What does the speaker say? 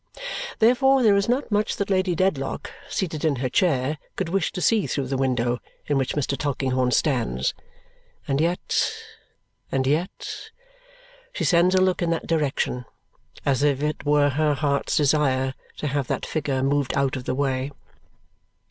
Therefore there is not much that Lady Dedlock, seated in her chair, could wish to see through the window in which Mr. Tulkinghorn stands. And yet and yet she sends a look in that direction as if it were her heart's desire to have that figure moved out of the way.